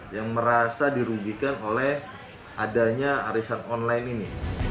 yang merasa dirugikan oleh adanya arisan online ini